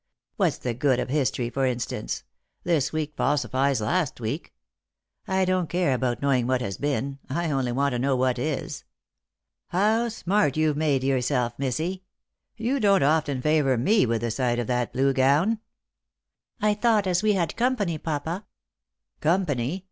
What's the good of history, for instance ? this week falsifies last week. I don't care about knowing what has been — I only want to know what is. How smart you've made yourself, missy I Tou don't often favour me with the sight of that blue gown." " I thought as we had company, papa "" Company